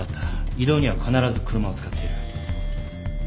移動には必ず車を使っている。